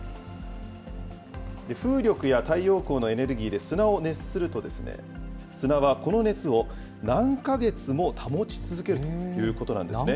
風力や太陽光のエネルギーで砂を熱すると、砂はこの熱を何か月も保ち続けるということなんですね。